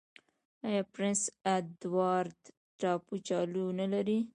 آیا پرنس اډوارډ ټاپو کچالو نلري؟